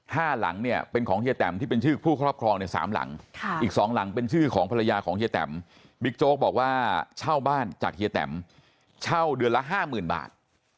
หลังเนี่ยเป็นของเฮียแตมที่เป็นชื่อผู้ครอบครองในสามหลังค่ะอีกสองหลังเป็นชื่อของภรรยาของเฮียแตมบิ๊กโจ๊กบอกว่าเช่าบ้านจากเฮียแตมเช่าเดือนละห้าหมื่นบาท